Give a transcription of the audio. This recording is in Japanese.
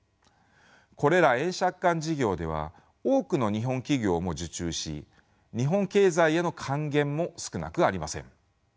これら円借款事業では多くの日本企業も受注し日本経済への還元も少なくありません。